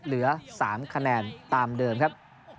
เหลือ๓คะแนนตามเดิมครับ